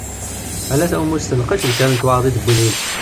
Ala tawemmust n lqec d kra n lekwaɣeḍ i d-tewwi d yid-s.